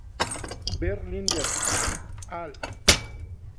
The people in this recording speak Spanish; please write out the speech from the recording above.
Ver Linder "et al.